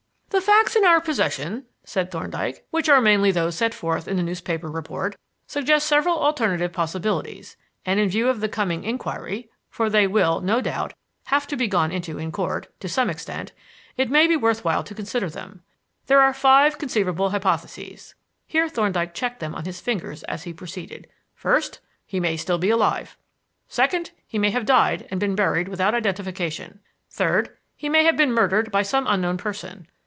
"The facts in our possession," said Thorndyke, "which are mainly those set forth in the newspaper report, suggest several alternative possibilities; and in view of the coming inquiry for they will, no doubt, have to be gone into in Court, to some extent it may be worth while to consider them. There are five conceivable hypotheses" here Thorndyke checked them on his fingers as he proceeded "First, he may still be alive. Second, he may have died and been buried without identification. Third, he may have been murdered by some unknown person.